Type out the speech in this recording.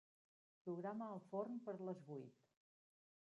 Programa el forn per a les vuit.